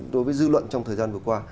đối với dư luận trong thời gian vừa qua